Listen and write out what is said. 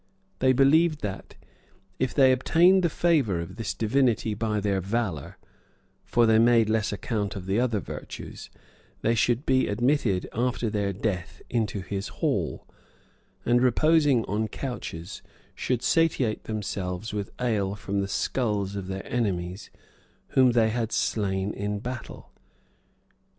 They believed that, if they obtained the favor of this divinity by their valor, (for they made less account of the other virtues,) they should be admitted after their death into his hall; and reposing on couches, should satiate themselves with ale from the skulls of their enemies, whom they had slain in battle.